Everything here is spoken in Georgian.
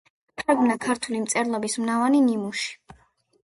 თარგმნა ქართული მწერლობის მრავალი ნიმუში.